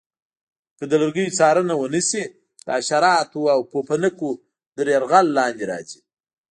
که د لرګیو څارنه ونه شي د حشراتو او پوپنکو تر یرغل لاندې راځي.